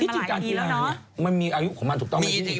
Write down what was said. จริงการกีฬาเนี่ยมันมีอายุของมันถูกต้องไหม